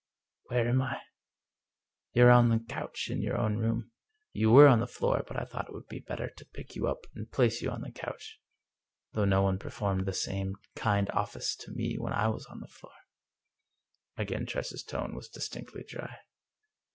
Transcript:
"Where am I?" " You're on the couch in your own room. You were on the floor; but I thought it would be better to pick you up and place you on the couch — ^though no one performed the same kind office to me when I was on the floor." Again Tress's tone was distinctly dry.